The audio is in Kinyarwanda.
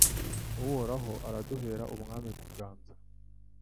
Uhoraho uraduhere umwami kuganza